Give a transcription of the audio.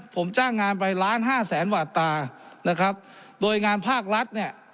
ผมจ้างงานไปล้านห้าแสนหวาดตานะครับโดยงานภาครัฐเนี่ย